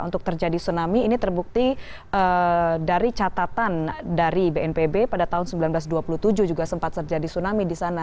untuk terjadi tsunami ini terbukti dari catatan dari bnpb pada tahun seribu sembilan ratus dua puluh tujuh juga sempat terjadi tsunami di sana